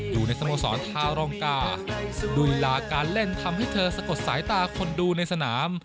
สโมสรทารองกาลุยลาการเล่นทำให้เธอสะกดสายตาคนดูในสนาม